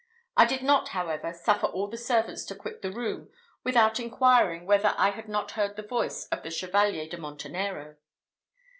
I did not, however, suffer all the servants to quit the room without inquiring whether I had not heard the voice of the Chevalier de Montenero.